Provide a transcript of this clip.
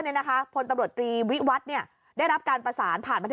พลตำรวจตรีวิวัฒน์เนี่ยได้รับการประสานผ่านประเทศ